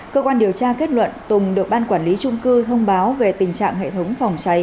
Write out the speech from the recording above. cơ quan điều tra kết luận tùng được ban quản lý trung cư thông báo về tình trạng hệ thống phòng cháy